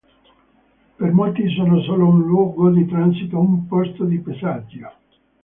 Per molti sono solo un luogo di transito, un posto di passaggio.